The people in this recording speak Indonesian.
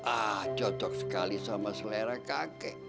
ah cocok sekali sama selera kakek